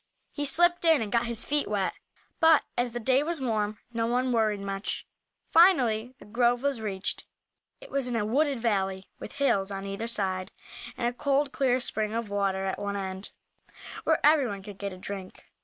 He slipped in and got his feet wet, but as the day was warm no one worried much. Finally the grove was reached. It was in a wooded valley, with hills on either side, and a cold, clear spring of water at one end, where everyone could get a drink.